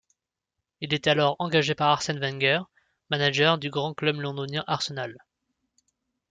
Il est alors engagé par Arsène Wenger, manager du grand club londonien Arsenal.